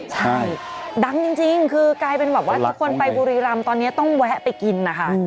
ใช่ดังจริงคือกลายเป็นแบบว่าทุกคนไปบุรีรำตอนนี้ต้องแวะไปกินนะคะ